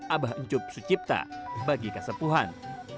abah ncup sucipta bagi kasepuan